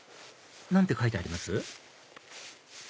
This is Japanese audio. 何て書いてあります？